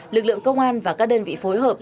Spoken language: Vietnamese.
lực lượng công an và các đơn vị phối hợp